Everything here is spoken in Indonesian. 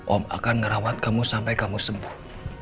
om akan ngerawat kamu sampai kamu sembuh